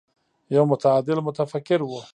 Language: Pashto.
يو متعادل متفکر و.